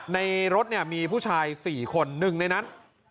ในรถมีผู้ชาย๔คนนึงในนั้น